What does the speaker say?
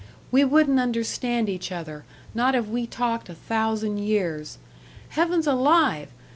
We wouldn't understand each other, not if we talked a thousand years. Heavens alive!